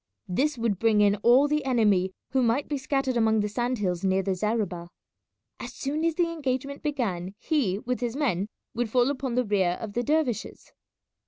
This would bring in all the enemy who might be scattered among the sand hills near the zareba. As soon as the engagement began he, with his men, would fall upon the rear of the dervishes.